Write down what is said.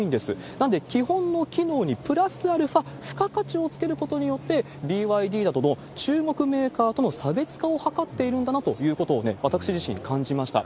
なので、基本の機能にプラスアルファー付加価値をつけることによって、ＢＹＤなどの中国メーカーとの差別化を図っているんだなということを私自身感じました。